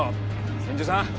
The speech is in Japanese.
千住さん